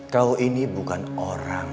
kau ini bukan orangnya